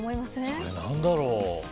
それ、何だろう。